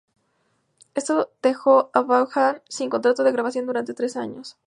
Esto dejó a Vaughan sin contrato de grabación durante tres años.